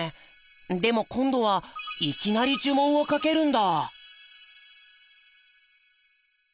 でも今度はいきなり呪文をかけるんだ。